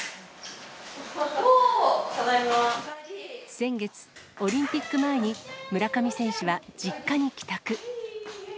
先月、オリンピック前に、村上選手は実家に帰宅。